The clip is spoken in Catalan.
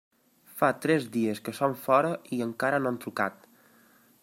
Fa tres dies que són fora i encara no han trucat.